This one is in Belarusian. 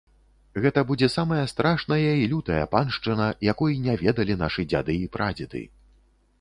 Гэта будзе самая страшная і лютая паншчына, якой не ведалі нашы дзяды і прадзеды.